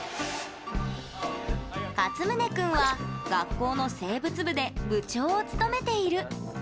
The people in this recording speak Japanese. かつむね君は学校の生物部で部長を務めている。